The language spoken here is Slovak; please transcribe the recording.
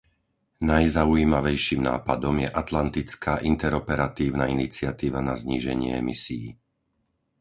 Najzaujímavejším nápadom je atlantická interoperatívna iniciatíva na zníženie emisií.